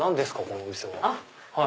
このお店は。